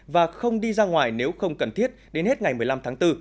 và không đi ra ngoài nếu không cần thiết đến hết ngày một mươi năm tháng bốn